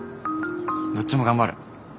どっちも頑張る。